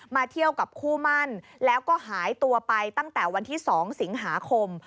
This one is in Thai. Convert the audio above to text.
เที่ยวกับคู่มั่นแล้วก็หายตัวไปตั้งแต่วันที่๒สิงหาคม